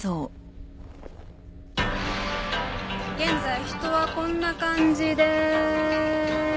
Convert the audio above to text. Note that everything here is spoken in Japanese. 現在人はこんな感じです。